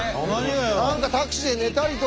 何かタクシーで寝たりとか。